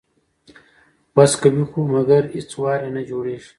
وس کوي خو مګر هیڅ وار یې نه جوړیږي